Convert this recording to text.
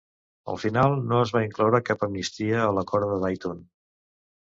Al final, no es va incloure cap amnistia a l'Acord de Dayton.